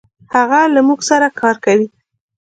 هغه له مونږ سره کار کوي.